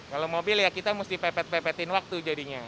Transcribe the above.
kalau mobil ya kita mesti pepet pepetin waktu jadinya